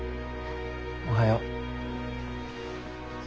おはよう。